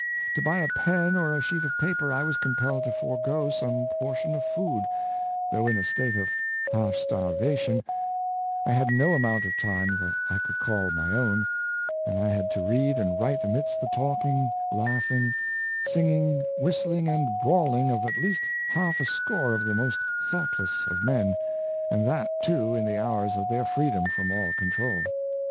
^ To buy a pen or The French Exile, 319 a sheet of paper I was compelled to forego some por tion of food, though in a state of half starvation; I had no moment of time that I could call my own; and I had to read and write amidst the talking, laughing, singing, whistling, and brawling of at least half a score of the most thoughtless of men, and that, too, in the hours of their freedom from all control.